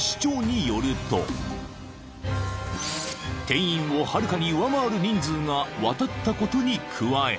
［定員をはるかに上回る人数が渡ったことに加え］